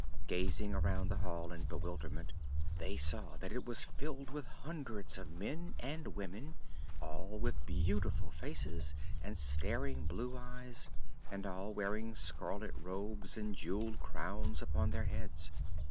Gazing around the hall in bewilderment they saw that it was filled with hundreds of men and women, all with beautiful faces and staring blue eyes and all wearing scarlet robes and jeweled crowns upon their heads.